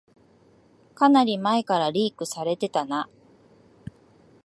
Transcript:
かなり前からリークされてたな